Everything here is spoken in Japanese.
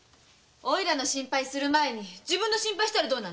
オイラの心配する前に自分の心配したら。